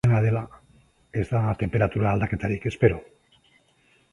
Dena dela, ez da tenperatura aldaketarik espero.